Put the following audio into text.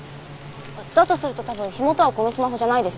だとすると多分火元はこのスマホじゃないですね。